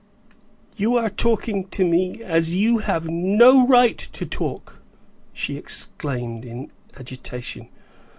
"You are talking to me as you have no right to talk!" she exclaimed, in agitation.